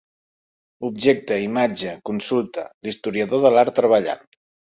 Objecte, imatge, consulta: l'historiador de l'art treballant.